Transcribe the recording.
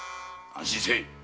安心せい。